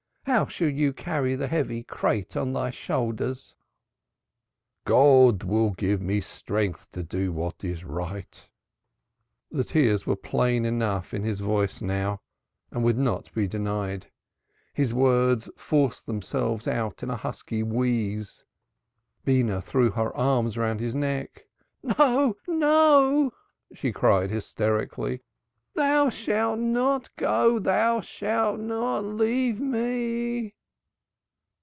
How shalt thou carry the heavy crate on thy shoulders?" "God will give me strength to do what is right." The tears were plain enough in his voice now and would not be denied. His words forced themselves out in a husky wheeze. Beenah threw her arms round his neck. "No! No!" she cried hysterically. "Thou shalt not go! Thou shalt not leave me!"